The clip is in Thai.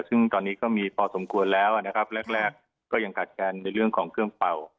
ซึ่งตอนนี้ก็มีพอสมควรแล้วนะครับแรกแรกก็ยังขัดกันในเรื่องของเครื่องเป่า